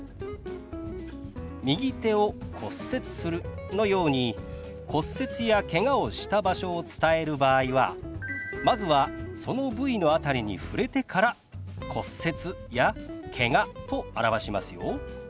「右手を骨折する」のように骨折やけがをした場所を伝える場合はまずはその部位の辺りに触れてから「骨折」や「けが」と表しますよ。